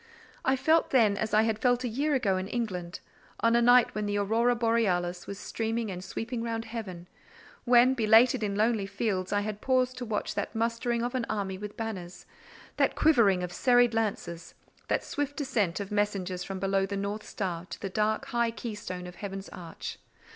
I felt then as I had felt a year ago in England—on a night when the aurora borealis was streaming and sweeping round heaven, when, belated in lonely fields, I had paused to watch that mustering of an army with banners—that quivering of serried lances—that swift ascent of messengers from below the north star to the dark, high keystone of heaven's arch.